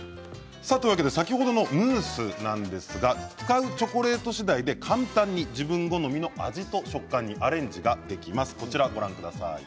先ほどのムースなんですが使うチョコレート次第で簡単に自分好みの味と食感にアレンジができます。